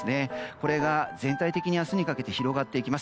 これが全体的に明日にかけて広がっていきます。